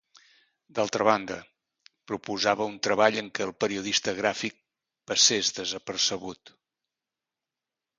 D'altra banda, proposava un treball en què el periodista gràfic passés desapercebut.